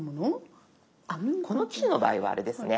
あっこの機種の場合はあれですね